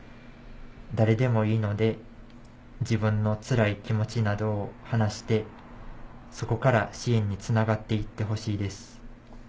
誰でもいいので自分のつらい気持ちなどを話してそこから支援につながって行ってほしいです。